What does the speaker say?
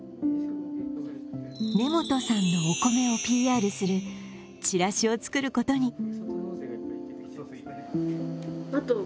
根本さんのお米をＰＲするチラシを作ることに。